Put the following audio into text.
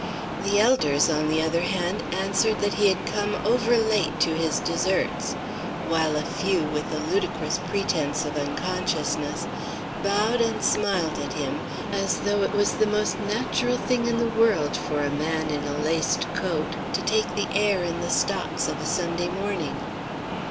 The elders on the other hand answered that he had come over late to his deserts, while a few, with a ludicrous pretence of unconsciousness, bowed and smiled at him as though it was the most natural thing in the world for a man in a laced coat to take the air in the stocks of a Sunday morning.